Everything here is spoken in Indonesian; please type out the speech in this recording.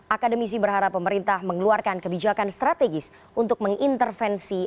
akademisi berharap pemerintah mengeluarkan kebijakan strategis untuk mengintervensi per positif corona